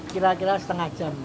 kira kira setengah jam